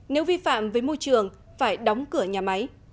nếu vi phạm với môi trường phải đóng cửa nhà máy